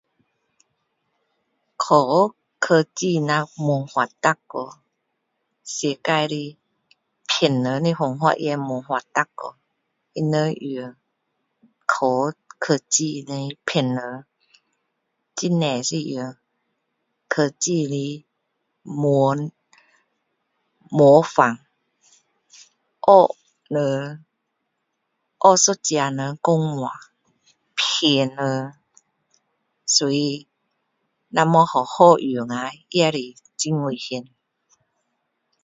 科学科技那越发达，世界的骗人的方法也越发达，他们用科学科技来骗人。很多是用科技的模，模仿学人，学一个人讲话，骗人。所以若无好好用啊也是很危险。